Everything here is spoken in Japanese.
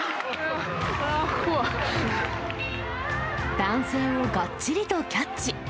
男性をがっちりとキャッチ。